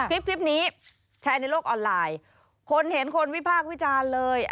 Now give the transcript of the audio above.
คลิปนี้แชร์ในโลกออนไลน์คนเห็นคนวิพากษ์วิจารณ์เลย